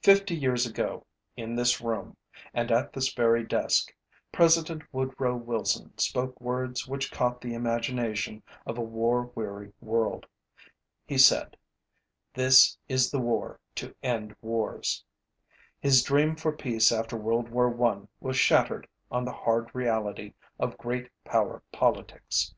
Fifty years ago, in this room, and at this very desk, President Woodrow Wilson spoke words which caught the imagination of a war weary world. He said: ōThis is the war to end wars.ö His dream for peace after World War I was shattered on the hard reality of great power politics.